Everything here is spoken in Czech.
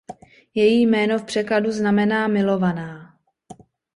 Její jméno v překladu znamená „Milovaná“.